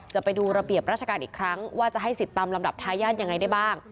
จะไปดูระเบียบราชการอีกครั้งว่าจะให้สิทธิ์ตามลำดับทายาทยังไงได้บ้าง